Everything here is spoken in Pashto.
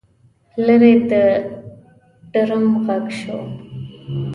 لرې د ډرم غږ شو.